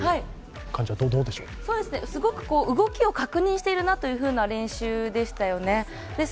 すごく動きを確認しているなという練習でしたよね。